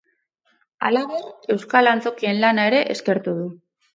Halaber, euskal antzokien lana ere eskertu du.